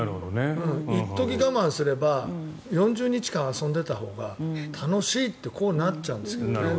一時、我慢すれば４０日間遊んでたほうが楽しいってこうなっちゃうんですよね。